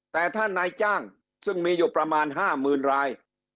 แต่ถ้านายจ้างซึ่งมีอยู่ประมาณ๕๐๐๐ราย